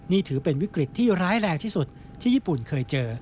นี่ถือเป็นวิกฤตที่ร้ายแรงที่สุดที่ญี่ปุ่นเคยเจอ